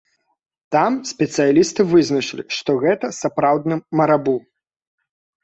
Там спецыялісты вызначылі, што гэта сапраўдны марабу!